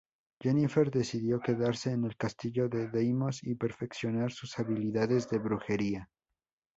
Jennifer decidió quedarse en el castillo de Deimos y perfeccionar sus habilidades de brujería.